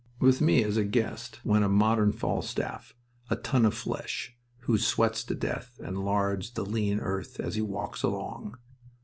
With me as a guest went a modern Falstaff, a "ton of flesh," who "sweats to death and lards the lean earth as he walks along."